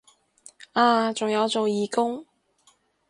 啊仲有做義工